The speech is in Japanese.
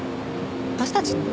私たちの？